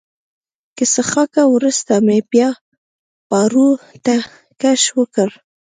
له څښاکه وروسته مې بیا پارو ته کش ورکړ.